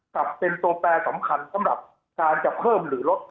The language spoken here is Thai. กลับเป็นตัวแปลสำคัญของการจะเพิ่มหรือลด